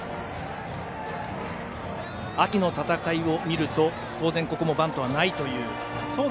秋の戦いを見ると当然ここもバントはないという。